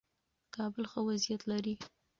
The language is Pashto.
کابل ښه وضعیت لري.